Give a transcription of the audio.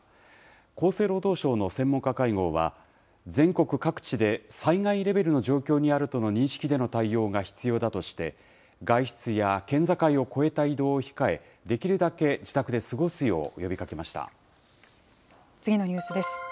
厚生労働省の専門家会合は、全国各地で災害レベルの状況にあるとの認識での対応が必要だとして、外出や県境を越えた移動を控え、できるだけ自宅で過ごすよう次のニュースです。